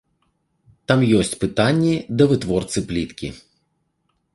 Там ёсць пытанні да вытворцы пліткі.